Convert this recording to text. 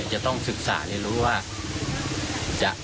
จะต้องศึกษาเรียนรู้ว่า